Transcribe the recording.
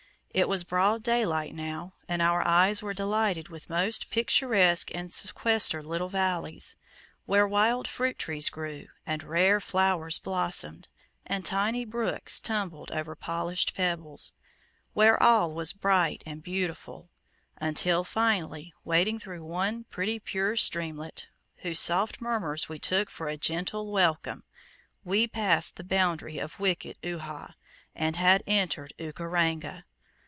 It was broad daylight now, and our eyes were delighted with most picturesque and sequestered little valleys, where wild fruit trees grew, and rare flowers blossomed, and tiny brooks tumbled over polished pebbles where all was bright and beautiful until, finally, wading through one pretty pure streamlet, whose soft murmurs we took for a gentle welcome, we passed the boundary of wicked Uhha, and had entered Ukaranga!